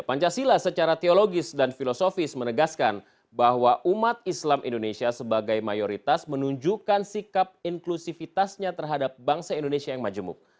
pancasila secara teologis dan filosofis menegaskan bahwa umat islam indonesia sebagai mayoritas menunjukkan sikap inklusifitasnya terhadap bangsa indonesia yang majemuk